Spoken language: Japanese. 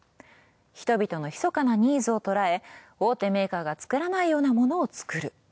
人々の密かなニーズを捉え大手メーカーが作らないようなものを作る。